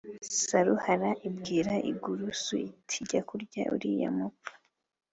Saruhara ibwira ingurusu iti «jya kurya uriya mupfu